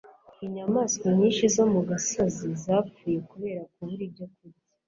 Inyamaswa nyinshi zo mu gasozi zapfuye kubera kubura ibyo kurya